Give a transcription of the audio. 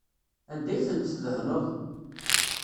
Anda ay tent-tdehneḍ?